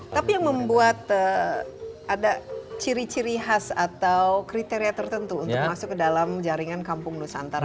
tapi yang membuat ada ciri ciri khas atau kriteria tertentu untuk masuk ke dalam jaringan kampung nusantara